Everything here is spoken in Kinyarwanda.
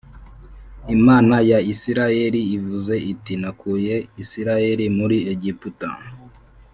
Imana ya Isirayeli ivuze iti Nakuye Isirayeli muri egiputa